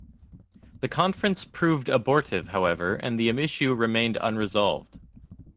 The conference proved abortive however and the issue remained unresolved.